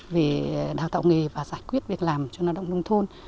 về đào tạo nghề và giải quyết việc làm cho lao động nông thôn